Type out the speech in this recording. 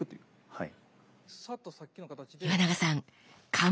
はい。